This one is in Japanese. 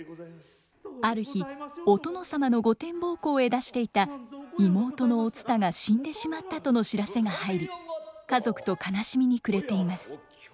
ある日お殿様の御殿奉公へ出していた妹のお蔦が死んでしまったとの知らせが入り家族と悲しみに暮れています。